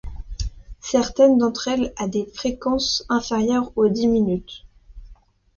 Certaines d'entre elles a des fréquences inférieures aux dix minutes.